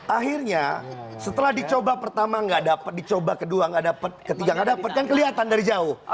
akhirnya setelah dicoba pertama tidak dapat dicoba kedua tidak dapat ketiga tidak dapat kan kelihatan dari jauh